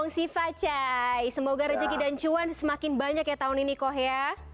semoga rezeki dan cuan semakin banyak ya tahun ini koh ya